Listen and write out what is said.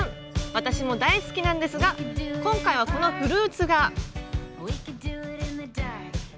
私も大好きなんですが今回はこのフルーツが。